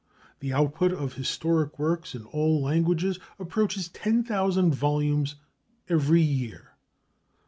The output of historic works in all languages approaches ten thousand volumes every year.